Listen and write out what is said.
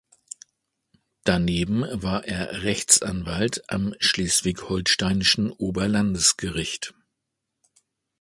Daneben war er Rechtsanwalt am Schleswig-Holsteinischen Oberlandesgericht.